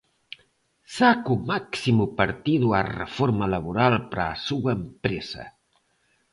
Saque o máximo partido á reforma laboral para a súa empresa.